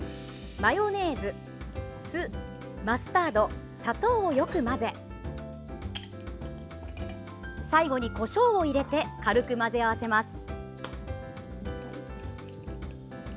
マヨネーズ、酢マスタード、砂糖をよく混ぜ最後にこしょうを入れて軽く混ぜ合わせます。